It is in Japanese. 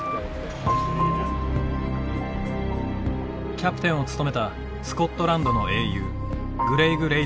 キャプテンを務めたスコットランドの英雄グレイグ・レイドロウ。